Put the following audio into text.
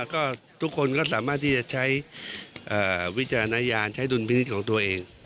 ก็ทุกคนก็สามารถที่จะใช้วิจารณญาณใช้ดุลพินิษฐ์ของตัวเอง